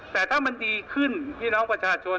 แต่ถ้ามันดีขึ้นพี่น้องประชาชน